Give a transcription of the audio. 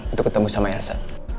untuk ketemu sama elsa